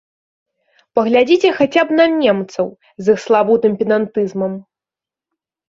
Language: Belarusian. Паглядзіце хаця б на немцаў з іх славутым педантызмам.